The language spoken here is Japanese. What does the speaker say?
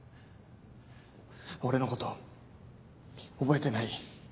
俺のこと覚えてない？